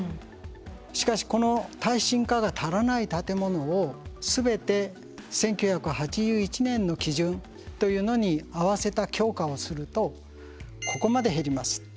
しかしこの耐震化が足らない建物を全て１９８１年の基準というのに合わせた強化をするとここまで減ります。